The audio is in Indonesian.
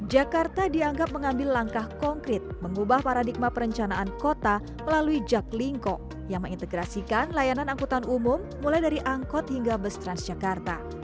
jakarta dianggap mengambil langkah konkret mengubah paradigma perencanaan kota melalui jaklingko yang mengintegrasikan layanan angkutan umum mulai dari angkot hingga bus transjakarta